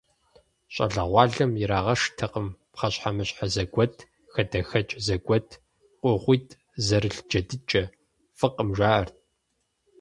ЩӀалэгъуалэм ирагъэшхтэкъым пхъэщхьэмыщхьэ зэгуэт, хадэхэкӀ зэгуэт, кугъуитӀ зэрылъ джэдыкӀэ, фӀыкъым, жаӀэрт.